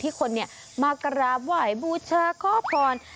ที่คนเนี่ยมากระหว่ายบูชาข้อพร